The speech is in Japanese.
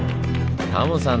タモさん